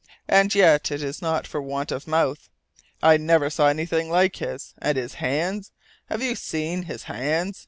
And yet, it is not for want of mouth. I never saw anything like his! And his hands! Have you seen his hands?